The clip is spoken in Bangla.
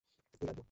এই, লাড্ডু!